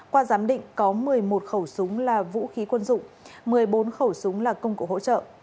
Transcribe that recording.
qua giám định có một mươi một khẩu súng là vũ khí quân dụng một mươi bốn khẩu súng là công cụ hỗ trợ